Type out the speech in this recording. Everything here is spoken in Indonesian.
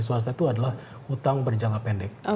suasta itu adalah utang berjangka pendek